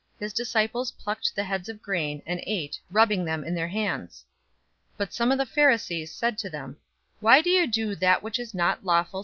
His disciples plucked the heads of grain, and ate, rubbing them in their hands. 006:002 But some of the Pharisees said to them, "Why do you do that which is not lawful to do on the Sabbath day?"